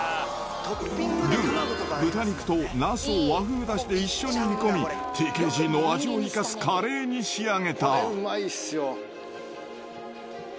ルウ、豚肉とナスを和風だしで一緒に煮込み、ＴＫＧの味を生かすカレーに仕上げた。